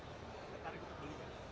ketarik kebeli gak